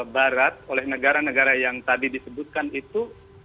barat oleh negara negara yang tadi disebutkan itu